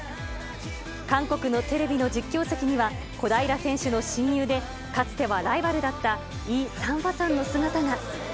韓国のテレビの実況席には、小平選手の親友で、かつてはライバルだったイ・サンファさんの姿が。